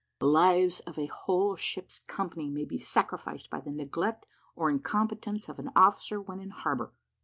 The lives of a whole ship's company may be sacrificed by the neglect or incompetence of an officer when in harbour."